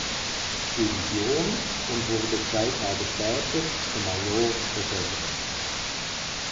Division und wurde zwei Tage später zum Major befördert.